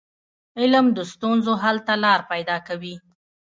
علم د ستونزو حل ته لار پيداکوي.